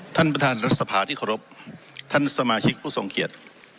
ท่านประธานรัฐสภาที่เคารพท่านสมาชิกผู้ทรงเกียจ